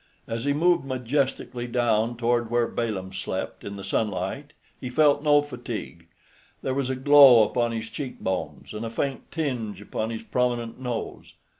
As he moved majestically down toward where Balaam slept in the sunlight, he felt no fatigue. There was a glow upon his cheek bones, and a faint tinge upon his prominent nose.